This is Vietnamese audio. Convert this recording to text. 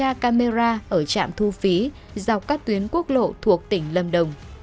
và kiểm tra camera ở trạm thu phí dọc các tuyến quốc lộ thuộc tỉnh lâm đồng